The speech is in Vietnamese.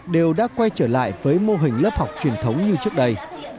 đều đã quay trở lại với mô hình lớp học truyền thống như trước đây